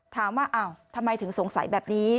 ถามว่าอ้าวทำไมถึงสงสัยแบบนี้